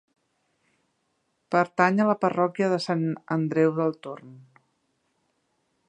Pertany a la parròquia de Sant Andreu del Torn.